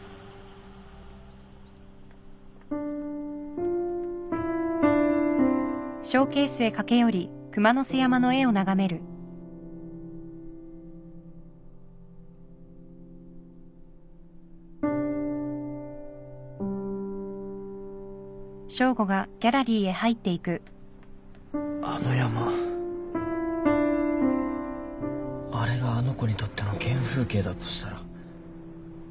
あれがあの子にとっての原風景だとしたら。